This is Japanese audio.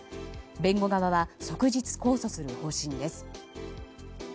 弁護側は即日控訴する方針です。